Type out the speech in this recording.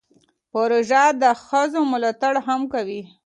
پروژه د ښځو ملاتړ هم کوي.